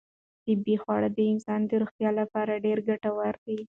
طبیعي خواړه د انسان د روغتیا لپاره ډېر ګټور دي.